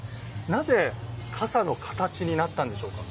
なぜ、傘の形になったんでしょうか？